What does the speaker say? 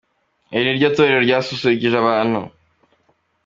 Iri ni ryo torero ryasusurukije abantu.